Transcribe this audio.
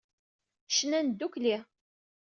Cnan ddukkli.